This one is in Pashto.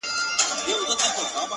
o زړه ته د ښايست لمبه پوره راغلې نه ده؛